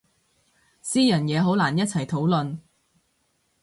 私人嘢好難一齊討論